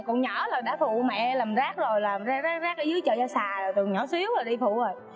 còn nhỏ là đã phụ mẹ làm rác rồi rác ở dưới chợ gia xà rồi từ nhỏ xíu rồi đi phụ rồi